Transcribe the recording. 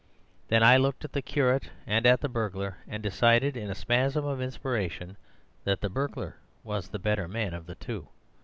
Then I looked at the curate and at the burglar, and decided, in a spasm of inspiration, that the burglar was the better man of the two.